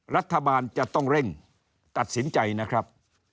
รัฐบาลจะต้องเร่งตัดสินใจนะครับ